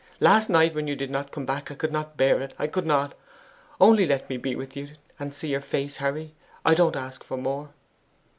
Last night, when you did not come back, I could not bear it I could not! Only let me be with you, and see your face, Harry; I don't ask for more.